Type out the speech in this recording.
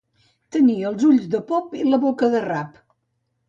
Tenir els ulls de pop i la boca de rap.